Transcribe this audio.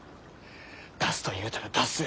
出すと言うたら出す。